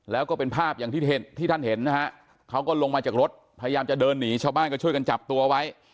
แล้วก็เป็นภาพอย่างที่ท่านเห็นนะฮะเขาก็ลงมาจากรถพยายามจะเดินหนีชาวบ้านก็ช่วยกันจับตัวไว้